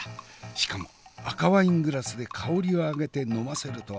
しかも赤ワイングラスで香りをあげて飲ませるとは。